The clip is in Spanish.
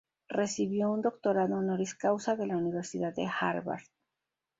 Recibió un doctorado honoris causa de la Universidad de Harvard.